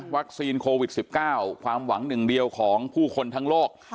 โควิด๑๙ความหวังหนึ่งเดียวของผู้คนทั้งโลก